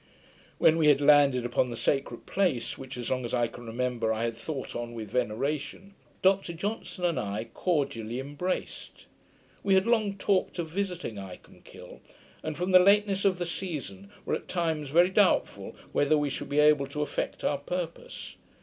When we had landed upon the sacred place, which, as long as I can remember, I had thought on with veneration, Dr Johnson and I cordially embraced. We had long talked of visiting Icolmkill; and, from the lateness of the season, were at times very doubtful whether we should be able to effect our purpose.